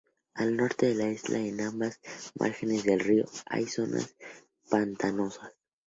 Al norte de la isla, en ambas márgenes del río, hay zonas pantanosas.